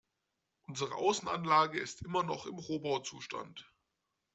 Unsere Außenanlage ist immer noch im Rohbauzustand.